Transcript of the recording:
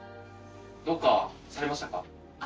どうかされましたか？